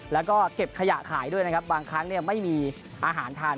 แล้วก็เก็บขยะขายด้วยนะครับบางครั้งเนี่ยไม่มีอาหารทาน